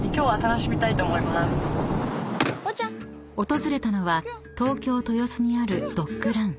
［訪れたのは東京・豊洲にあるドッグラン］